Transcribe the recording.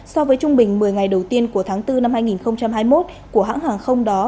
so với trung bình một mươi ngày đầu tiên của tháng bốn năm hai nghìn hai mươi một của hãng hàng không đó